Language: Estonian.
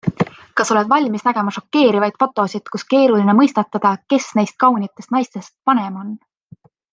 Kas oled valmis nägema šokeerivaid fotosid, kus keeruline mõistatada - kes neist kaunitest naistest vanem on.